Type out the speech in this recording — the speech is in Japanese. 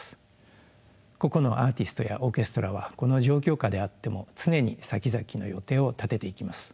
個々のアーティストやオーケストラはこの状況下であっても常にさきざきの予定を立てていきます。